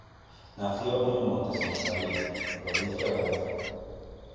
Nació en Monte San Savino, Provincia de Arezzo.